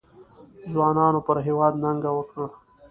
ځوانانو پر هېواد ننګ وکړ.